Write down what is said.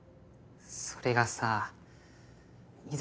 それがさいざ